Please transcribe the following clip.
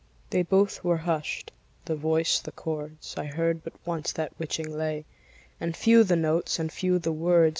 They both were husht, the voice, the chords, I heard but once that witching lay; And few the notes, and few the words.